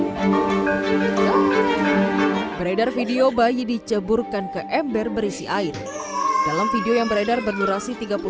hai beredar video bayi diceburkan ke ember berisi air dalam video yang beredar berdurasi